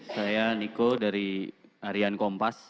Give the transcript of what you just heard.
saya niko dari harian kompas